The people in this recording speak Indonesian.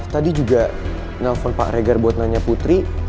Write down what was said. tadi juga nelfon pak regar buat nanya putri